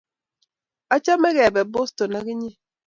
achame kebe Boston ak inye.